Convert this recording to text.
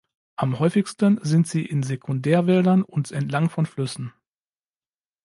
Am häufigsten sind sie in Sekundärwäldern und entlang von Flüssen.